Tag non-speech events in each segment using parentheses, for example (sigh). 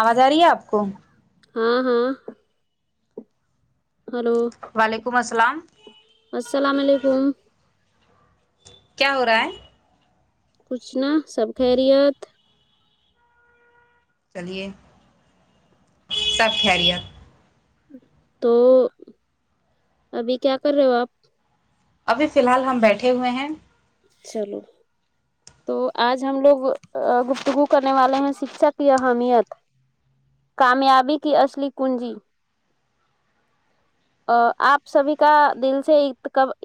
آواز آ رہی ہے آپ کو ہاں ہاں ہلو وعلیکم السلام السلام علیکم کیا ہو رہا ہے کچھ نہ سب خیریت چلیے سب خیریت تو ابھی کیا کر رہے ہو آپ ابھی فی الحال ہم بیٹھے ہوئے ہیں چلو تو آج ہم لوگ گفتگو کرنے والے ہیں شکشھا کی اہمیت کامیابی کی اصلی کنجی ہاں آپ سبھی کا دل سے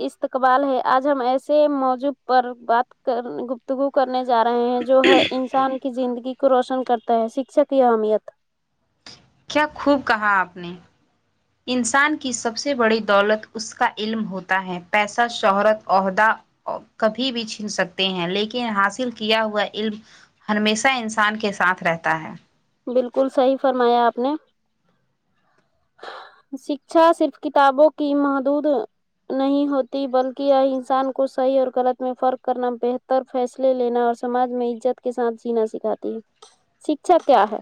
استقبال ہے آج ہم ایسے مو ضوع پر بات کر گفتگو کرنے جا رہے ہیں جو ہر انسان کی زندگی کو روشن کرتا ہے شکشا کی اہمیت کیا خوب کہا آپ نے انسان کی سب سے بڑی دولت اس کا علم ہوتا ہے پیسہ شہرت عہدہ کبھی بھی چھین سکتے ہیں لیکن حاصل کیا ہوا علم ہمیشہ انسان کے ساتھ رہتا ہے بالکل صحیح فرمایا آپ نے شکچھا صرف کتابوں کی محدود نہیں ہوتی بلکہ انسان کو صحیح اور غلط میں فرق کرنا بہتر فیصلے لینا اور سماج میں عزت کے ساتھ جینا سکھاتی ہے شکچھا کیا ہے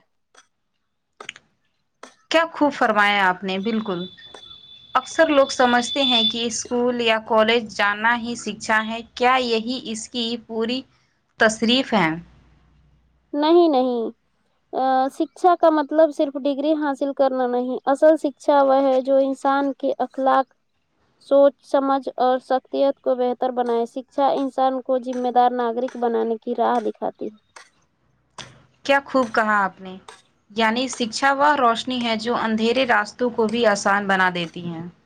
کیا خوب فرمایا آپ نے بالکل اکثر لوگ سمجھتے ہیں کہ اسکول یا کالج جانا ہی سکچھا ہے کیا یہی اس کی پوری تصریف ہے نہیں نہیں سکچھا کا مطلب صرف ڈگری حاصل کرنا نہیں اصل شکچھا وہ ہے جو انسان کہ اخلاق سوچ سمجھ اور شخصیت کو بہتر بنائے شکچھا انسان کو ذمہ دار ناگرک بنانے کی راہ دکھاتی ہے کیا خوب کہاں آپ نے یعنی شکچھا وہ روشنی ہے جو اندھیرے راستوں کو بھی آسان بنا دیتی ہے (inaudible)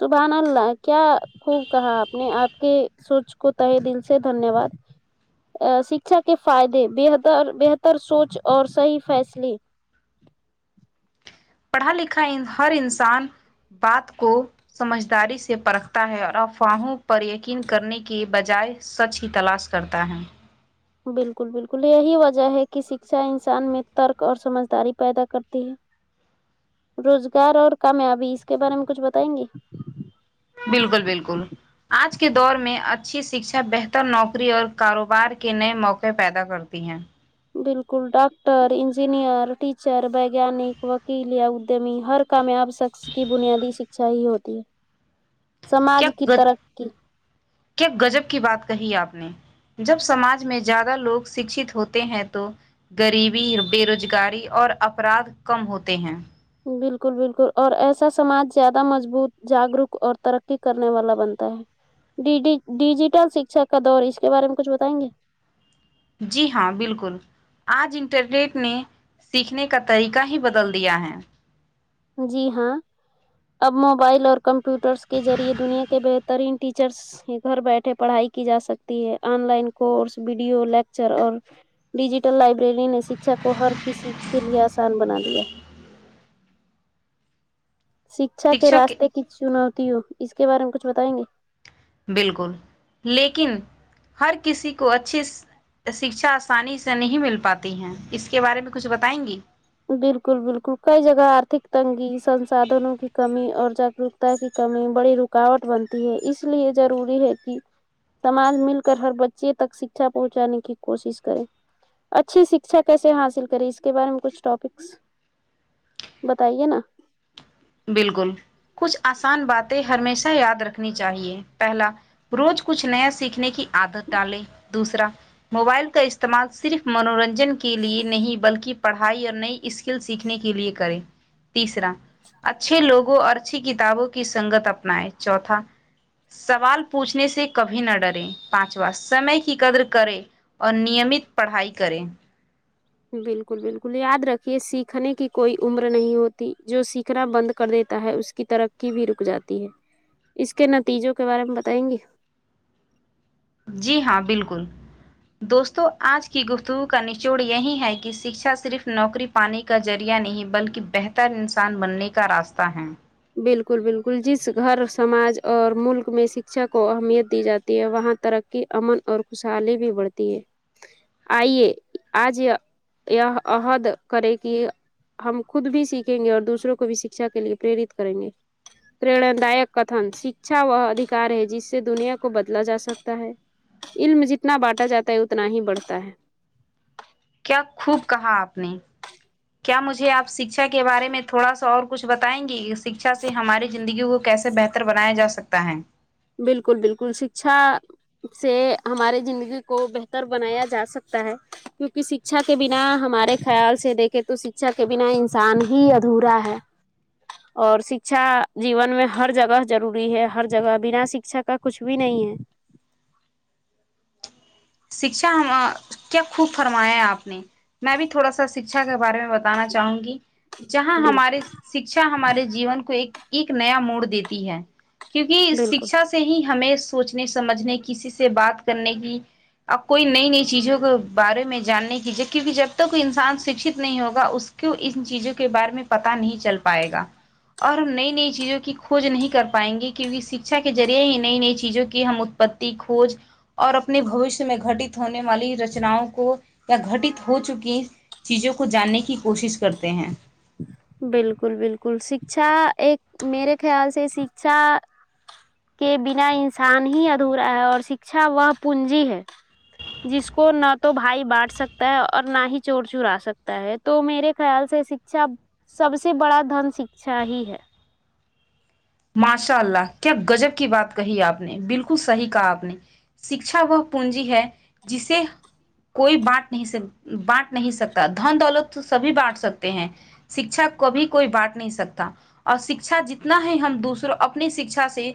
سبحان اللہ کیا خوب کہاں آپ نے آپ کے سونچ کو تہ دل سے دھنیہ واد ا شکچھا کے فائدے بہتر بہتر سونچ اور صحیح فیصلے پڑھا لکھا ہر انسان بات کو سمجھداری سے پرکھتا ہے اور افواہوں پر یقین کرنے کے بجائے سچ کی تلاش کرتا ہے بالکل بالکل یہی وجہ ہے کہ شکچھا انسان میں ترک اور سمجھداری پیدا کرتی ہے ج روزگار اور کامیابی اس کے بارے میں کچھ بتائیں گے بالکل بالکل آج کے دور میں اچھی شکچھا بہتر نوکری اور کاروبار کے نئے موقعے پیدا کرتی ہیں بالکل ڈاکٹر انجینئر ٹیچر ویگانک وکیل یا ادیمی ہر کامیاب شخص کی بنیادی شکچھا ہی ہوتی ہے سماج کی کیا ترقی کیا غجب کی بات کہی آپ نے جب سماج میں زیادہ لوگ شکچھت ہوتے ہیں تو غریبی بے روزگاری اور افراد کم ہوتے ہیں بالکل بالکل اور ایسا سماج زیادہ مضبوط جاگروک اور ترقی کرنے والا بنتا ہے ڈی ڈی ڈیجیٹل شکچھا کا دور اس کے بارے میں کچھ بتائیں گے جی ہاں بالکل آج انٹرنیٹ نے سیکھنے کا طریقہ ہی بدل دیا ہے جی ہاں اب موبائل اور کمپیوٹرس کے ذریعے دنیا کے بہترین ٹیچرس گھر بیٹھے پڑھائی کی جا سکتی ہے online course video lecture اور ڈیجیٹل لائبریری نے شکچھا کو ہر کسی کے لیے آسان بنا دیا شکچھا کے شکشک راستے کی چنوتی ہو اس کے بارے میں کچھ بتائیں گے بالکل لیکن ہر کسی کو اچھی شکچھا آسانی سے نہیں مل پاتی ہیں اس کے بارے میں کچھ بتائیں گی بالکل بالکل کئی جگہ آرتھک تنگی سنسادھنوں کی کمی اور جاگروک کی کمی بڑی رکاوٹ بنتی ہے اس لیے ضروری ہے کہ تمال مل کر ہر بچے تک شکچھا پہنچانے کی کوشش کرے اچھی شکچھا کیسے حاصل کری اس کے بارے میں کچھ ٹاپکس بتائیے نا بالکل کچھ آسان باتیں ہمیشہ یاد رکھنی چاہیے پہلا روز کچھ نیا سیکھنے کی عادت ڈالے دوسرا موبائل کا استعمال صرف منورن جن کے لیے نہیں بلکہ پڑھائی اور نئی اسکل سیکھنے کے لیے کریں تیسرا اچھے لوگوں اور اچھی کتابوں کی سنگت اپنائے چوتھا سوال پوچھنے سے کبھی نہ ڈریں پانچواں سمے کی قدر کریں اور نیمت پڑھائی کریں بالکل بالکل یاد رکھیے سیکھنے کی کوئی عمر نہیں ہوتی جو سیکھنا بند کر دیتا ہے اس کی ترقی بھی رک جاتی ہے اس کے نتیجوں کے بارے میں بتائیں گی جی ہاں بالکل دوستوں آج کی گفتگو کا نچوڑ یہی ہے کہ شکچھا صرف نوکری پانی کا ذریعہ نہیں بلکہ بہتر انسان بننے کا راستہ ہے بالکل بالکل جس گھر سماج اور ملک میں شکچھا کو اہمیت دی جاتی ہے وہاں ترق کی امن اور خوشحالی بھی بڑھتی ہے آئیے آج یہ یہ عہد کرے کہ ہم خود بھی سیکھیں گے اور دوسروں کو بھی شکچھا کے لیے پریرت کریں گے پرنا دائک کتن س شکچھا وہ ادھیکار ہے جس سے دنیا کو بدلا جا سکتا ہے علم جتنا بانٹا جاتا ہے اتنا ہی بڑھتا ہے کیا خوب کہا آپ نے کیا مجھے آپ شکچھا کے بارے میں تھوڑا سا اور کچھ بتائیں گے اس شکچھا سے ہماری زندگی کو کیسے بہتر بنایا جا سکتا ہے بالکل بالکل شکچھا سے ہمارے زندگی کو بہتر بنایا جا سکتا ہے کیونکہ شکچھا کے بنا ہمارے خیال سے دیکھے تو شکچھا کے بنا انسان ہی ادھورا ہے اور شکچھا جیون میں ہر جگہ ضروری ہے ہر جگہ بنا شکچھا کا کچھ بھی نہیں ہے شکچھا کیا خوب فرمایا ہے آپ نے میں بھی تھوڑا سا شکچھا کے بارے میں بتانا چاہوں گی جہاں ہمارے بالکل شکچھا ہمارے جیون کو ایک ایک نیا موڑ دیتی ہے کیونکہ بالکل شکچھا سے ہی ہمیں سوچنے سمجھنے کسی سے بات کرنے کی اب کوئی نئی نئی چیزوں کے بارے میں جاننے کیجیے کیونکہ جب تک کو انسان شکھت نہیں ہوگا اس کیوں ان چیزوں کے بارے میں پتا نہیں چل پائے گا اور ہم نئی نئی چیزوں کی کھوج نہیں کر پائیں گے کیونکہ شکچھا کے ذریعے ہی نئی نئی چیزوں کی ہم ات پتی کھوج اور اپنے بھویشیا میں گٹت ہونے والی رچناؤں کو یا گٹت ہو چکی چیزوں کو جاننے کی کوشش کرتے ہیں بالکل بالکل شکچھا ایک میرے خیال سے شکچھا کہ بنا انسان ہی ادھورا ہے اور شکشہ وہ پونجی ہے جس کو نہ تو بھائی بانٹ سکتا ہے اور نہ ہی چور چورا سکتا ہے تو میرے خیال سے شکچھا سب سے بڑا دھن شکچھہ ہ ہی ہے ماشاء اللہ کیا گجب کی بات کہی آپ نے بالکل صحیح کہا آپ نے شکچھا وہ پونجی ہے جسے کوئی بانٹ نہیں سک بانٹ نہیں سکتا دھن دولت تو سبھی بانٹ سکتے ہیں شکچھا کبھی کوئی بانٹ نہیں شکشہ اور شکچھا جتنا ہے ہم دوسروں اپنی شکچھا سے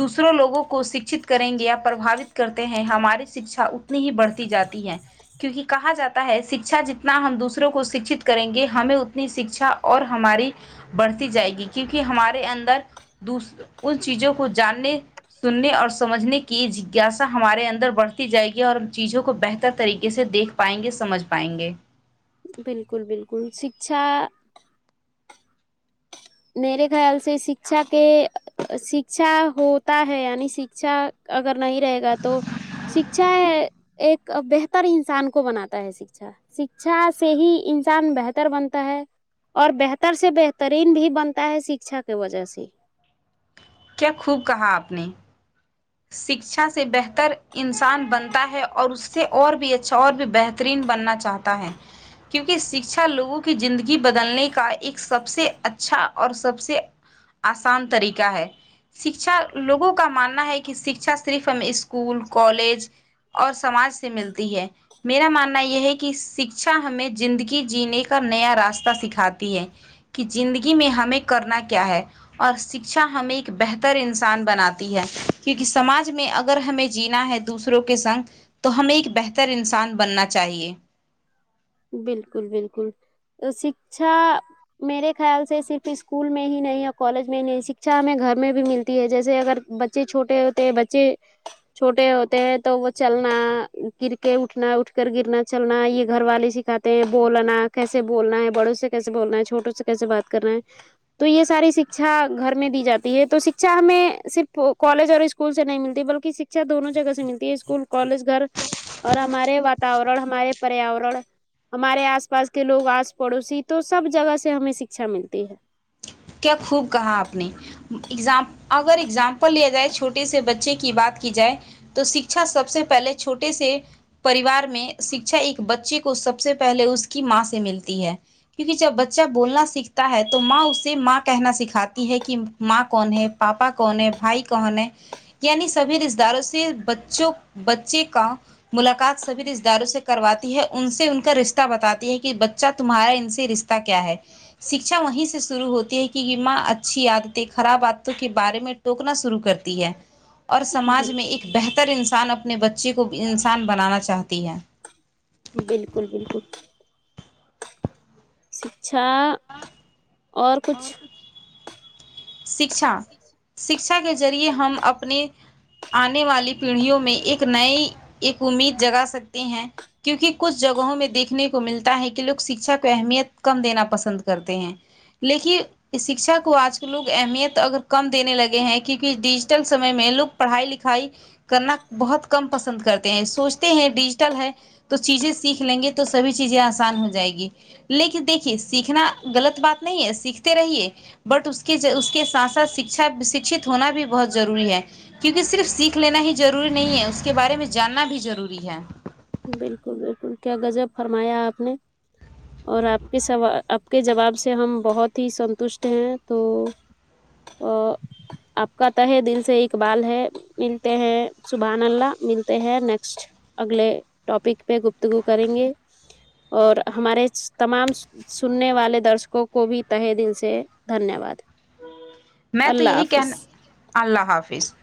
دوسروں لوگوں کو شکچھت کریں گے یا پربھوت کرتے ہیں ہماری شکچھا اتنی ہی بڑھتی جاتی ہے کیونکہ کہا جا تا ہے شکچھا جتنا ہم دوسروں کو شکچھت کریں گے ہمیں اتنی شکچھا اور ہماری بڑھتی جائے گی کیونکہ ہمارے اندر دوس ان چیزوں کو جاننے سننے اور سمجھنے کی جگیسا ہمارے اندر بڑھتی جائے گی اور ہم چیزوں کو بہتر طریقے سے دیکھ پائیں گے سمجھ پائیں گے بالکل بالکل شکچھا میرے خیال سے شکچھا کے شکچھا ہوتا ہے یعنی شکچھا اگر نہیں رہے گا تو شکچھا ہے ایک بہتر انسان کو بناتا ہے شکچھا شکشا سے ہی انسان بہتر بنتا ہے اور بہتر سے بہترین بھی بنتا ہے شکشا کے وجہ سے کیا خوب کہا آپ نے شکچھا سے بہتر انسان بنتا ہے اور اس سے اور بھی اچھا اور بھی بہترین بننا چاہت تا ہے کیونکہ شکشا لوگوں کی زندگی بدلنے کا ایک سب سے اچھا اور سب سے آسان طریقہ ہے شکچھا لوگوں کا ماننا ہے کہ شکچھا صرف ہمیں اسکول کالج اور سماج سے ملتی ہے میرا ماننا یہ ہے کہ شکچھا ہمیں زندگی جینے کا نیا راستہ سکھاتی ہے کہ زندگی میں ہمیں کرنا کیا ہے اور شکچھا ہمیں ایک بہتر انسان بناتی ہے کیونکہ سماج میں اگر ہمیں جینا ہے دوسروں کے سنگ تو ہمیں ایک بہتر انسان بننا چاہیے بالکل بالکل شکچھا میرے خیال سے صرف اسکول میں ہی نہیں کالج میں ہی نہیں شکچھا ہمیں گھر میں بھی ملتی ہے جیسے اگر ب بچے چھوٹے ہوتے ہیں بچے چھوٹے ہوتے ہیں تو وہ چلنا گر کے اٹھنا اٹھ کر گرنا چلنا یہ گھر والے سے دکھاتے ہیں بولنا کیسے بولنا ہے بڑوں سے کیسے بولنا ہے چھوٹوں سے کیسے بات کرنا ہے تو یہ ساری شکچھا گھر میں دی جاتی ہے تو شکچھا ہمیں صرف کالج اور اسکول سے نہیں ملتی بلکہ شکچھا دونوں جگہ سے ملتی ہے اسکول کالج گھر اور ہمارے واتاورن ہمارے پریاورن ہمارے آس پاس کے لوگ آس پڑوسی تو سب جگہ سے ہمیں شکچھا ملتی ہے کیا خوب کہا آپ نے اگزام اگر ایگزامپل لیا جائے چھوٹے سے بچے کی بات کی جائے تو شکچھا سب سے پہلے چھوٹے سے پریوار میں شکچھا ایک بچے کو سب سے پہلے اس کی ماں سے ملتی ہے کیونکہ جب بچہ بولنا سیکھتا ہے تو ماں اس سے ماں کہنا سکھاتی ہے کہ ماں کون ہے پاپا کون ہے بھائی کون ہے یعنی سبھی رشتے داروں سے بچوں بچے کا ملاقات سبھی رشتتے داروں سے کرواتی ہے ان سے ان کا رشتہ بتاتی ہے کہ بچہ تمہارا ان سے رشتے تا کیا ہے شکچھا وہیں سے شروع ہوتی ہے کہ ای ماں اچھی عادتیں خراب عادتوں کے بارے میں ٹوکنا شروع کرتی ہے اور سماج میں بالکل ایک بہتر انسان اپنے بچے کو انسان بنانا چاہتی ہے بالکل بالکل شکچھا ہاں اور کچھ (inaudible) شکچھا شکچھا کے ذریعے ہم اپنے آنے والی پیڑھیوں میں ایک نئی ایک امید جگا سکتے ہیں کیونکہ کچھ جگہوں میں دیکھنے کو ملتا ہے کہ لوگ شکچھا کو اہمیت کم دینا پسند ہو کرتے ہیں لیکن شکچھا کو آج کے لوگ اہمیت اگر کم دینے لگے ہیں کیونکہ ڈیجیٹل سمے میں لوگ پڑھائی لکھائی کرنا بہت کم پسند کرتے ہیں سوچتے ہیں ڈیجیٹل ہے تو چیزیں سیکھ لیں گے تو سبھی چیزیں آسان ہو جائے گی لیکن دیکھیے سیکھنا غلط بات نہیں ہے سیکھتے رہیے بٹ اس کے اس کے ساتھ ساتھ شکچھا شکچھت ہونا بھی بہت ضروری ہے کیونکہ صرف سیکھ لینا ہی ضروری نہیں ہے اس کے بارے میں جاننا بھی ضروری ہے بالکل بالکل کیا غجب فرمایا آپ نے اور آپ کے سوا آپ کے جواب سے ہم بہت ہی سنتشٹ ہیں تو ا آپ کا تہہ دل سے اقبال ہے ملتے ہیں سبحان اللہ ملتے ہیں نیکسٹ اگلے ٹاپک پہ گفتگو کریں گے اور ہمارے اس تمام سننے والے درشکوں کو بھی تہے دل سے دھنیہ واد میں تو اللہ یہی حافظ کہنا اللہ حافظ